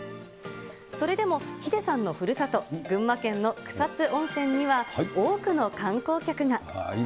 それでもヒデさんのふるさと、群馬県の草津温泉には、多くの観光客が。